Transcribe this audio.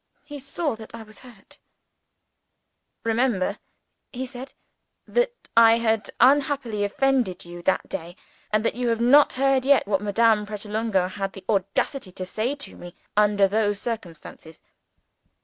He saw that I was hurt. "Remember," he said, "that I had unhappily offended you that day, and that you have not heard yet what Madame Pratolungo had the audacity to say to me under those circumstances."